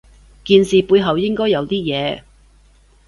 件事背後應該有啲嘢